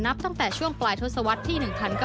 ตั้งแต่ช่วงปลายทศวรรษที่๑๙๙